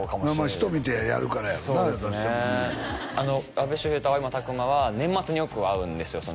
人見てやるからやろうなどうしても阿部周平と青山拓磨は年末によく会うんですよ